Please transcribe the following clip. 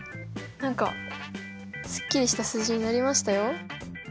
何かすっきりした数字になりましたよ。